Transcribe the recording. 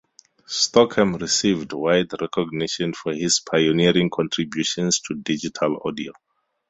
Stockham received wide recognition for his pioneering contributions to digital audio.